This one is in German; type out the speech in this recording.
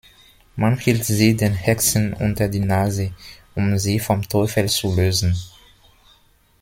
Man hielt sie den Hexen unter die Nase, um sie vom Teufel zu lösen.